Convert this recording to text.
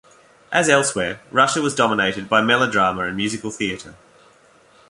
As elsewhere, Russia was dominated by melodrama and musical theatre.